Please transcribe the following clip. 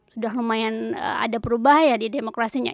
sudah lumayan ada perubahan di demokrasinya